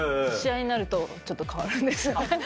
試合になると、ちょっと変わるんですよね。